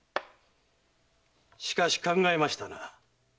しかし考えましたな。